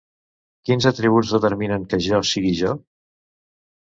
Quins atributs determinen que ‘jo’ sigui ‘jo’?